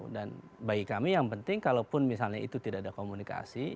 dan bagi kami yang penting kalaupun misalnya itu tidak ada komunikasi